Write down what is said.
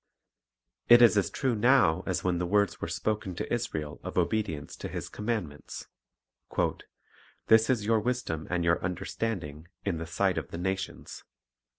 It is as true now as when the words were spoken Gods ■ Command tO Israel of obedience to His commandments: " This is your wisdom and your understanding in the sight of the nations."